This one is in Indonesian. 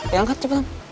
ya angkat cepet tante